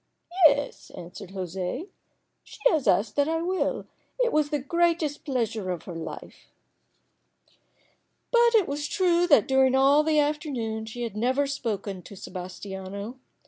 "Yes," answered José. "She has asked that I will. It was the greatest pleasure of her life." But it was true that during all the afternoon she had never once spoken to Sebas tiano.